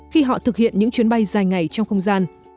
khi họ thực hiện những chuyến bay dài ngày trong không gian